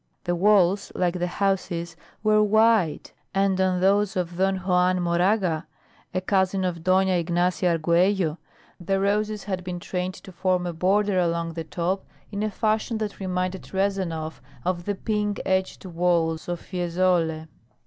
The walls, like the houses, were white, and on those of Don Juan Moraga, a cousin of Dona Ignacia Arguello, the roses had been trained to form a border along the top in a fashion that reminded Rezanov of the pink edged walls of Fiesole.